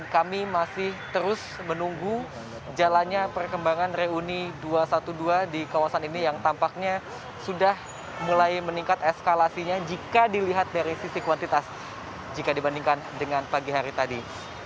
kami masih terus menunggu jalannya perkembangan reuni dua ratus dua belas di kawasan ini yang tampaknya sudah mulai meningkat eskalasinya jika dilihat dari sisi kuantitas jika dibandingkan dengan pagi hari tadi